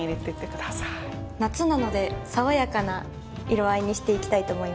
夏なので爽やかな色合いにしていきたいと思います。